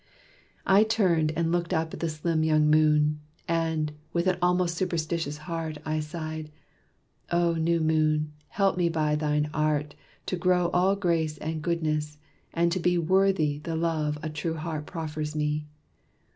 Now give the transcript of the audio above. I turned and looked up at the slim young moon; And, with an almost superstitious heart, I sighed, "Oh, new moon! help me, by thine art, To grow all grace and goodness, and to be Worthy the love a true heart proffers me."